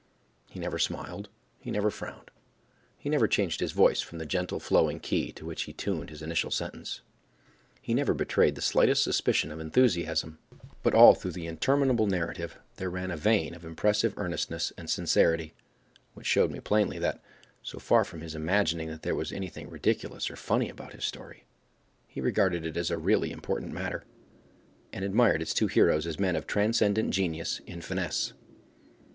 He never smiled, he never frowned, he never changed his voice from the gentle flowing key to which he tuned his initial sentence, he never betrayed the slightest suspicion of enthusiasm; but all through the interminable narrative there ran a vein of impressive earnestness and sincerity, which showed me plainly that, so far from his imagining that there was anything ridiculous or funny about his story, he regarded it as a really important matter, and admired its two heroes as men of transcendent genius in finesse.